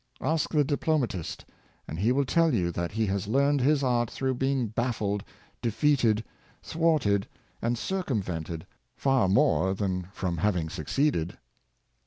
Ask the diplomatist, and he will tell you that he has learned his art through being baffled, defeated, thwarted, and circumvented, far more than from having succeeded.